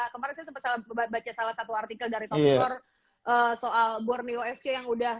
kemarin saya sempat baca salah satu artikel dari toktor soal borneo sc yang sudah